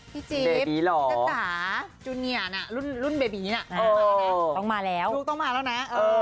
พี่จิ๊บจัตราจูนิยันรุ่นเบบีนี่น่ะมาแล้วนะต้องมาแล้วต้องมาแล้วนะ